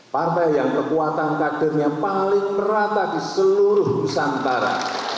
partai yang kekuatan kadernya paling merata di seluruh nusantara